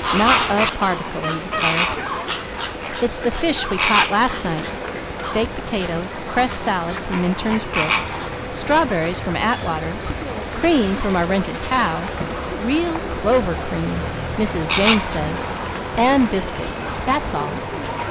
"Not a particle," he declared. "It's the fish we caught last night, baked potatoes, cress salad from Minturn's brook, strawberries from Atwaters, cream from our rented cow, real clover cream, Mrs. James says, and biscuit. That's all."